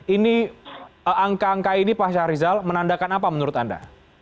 ini angka angka ini pak syahrizal menandakan apa menurut anda